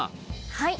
はい。